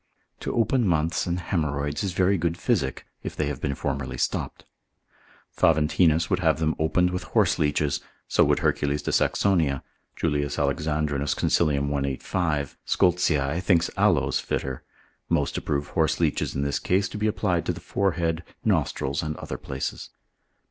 To open months and haemorrhoids is very good physic, If they have been formerly stopped. Faventinus would have them opened with horseleeches, so would Hercul. de Sax. Julius Alexandrinus consil. 185. Scoltzii thinks aloes fitter: most approve horseleeches in this case, to be applied to the forehead, nostrils, and other places.